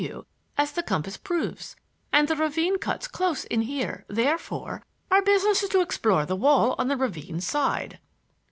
W., as the compass proves, and the ravine cuts close in here; therefore, our business is to explore the wall on the ravine side."